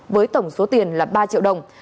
với tổng số tiền là ba triệu đồng